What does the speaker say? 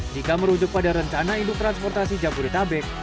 jika merujuk pada rencana induk transportasi jabodetabek